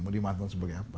mau dimantul sebagai apa